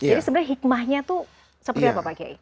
jadi sebenarnya hikmahnya itu seperti apa pak kiai